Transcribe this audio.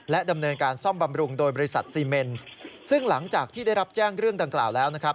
ดำเนินการซ่อมบำรุงโดยบริษัทซีเมนซ์ซึ่งหลังจากที่ได้รับแจ้งเรื่องดังกล่าวแล้วนะครับ